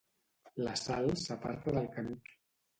La Sal s'aparta del Canut.